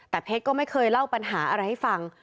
แต่เพชรก็ไม่เคยเล่าปัญหาอะไรให้ฟัง